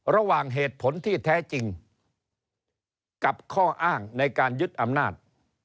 ระหว่างเหตุผลที่แท้จริงกับข้ออ้างในการยึดอำนาจ